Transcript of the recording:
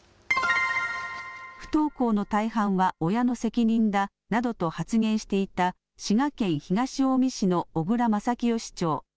不登校の大半は親の責任だなどと発言していた滋賀県東近江市の小椋正清市長。